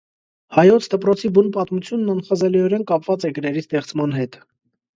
Հայոց դպրոցի բուն պատմությունն անխզելիորեն կապված է գրերի ստեղծման հետ։